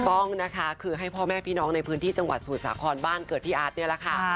ต้องนะคะคือให้พ่อแม่พี่น้องในพื้นที่จังหวัดสมุทรสาครบ้านเกิดพี่อาร์ตนี่แหละค่ะ